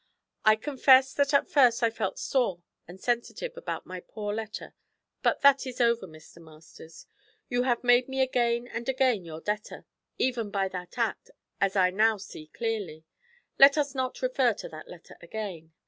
'I confess that at first I felt sore and sensitive about my poor letter, but that is over, Mr. Masters; you have made me again and again your debtor, even by that act, as I now see clearly. Let us not refer to that letter again.'